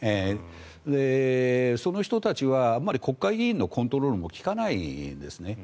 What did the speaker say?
その人たちは国会議員のコントロールも利かないんですね。